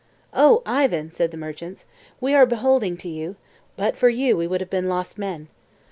"Oh, Ivan," said the merchants, "we are beholding to you; but for you we would have been lost men.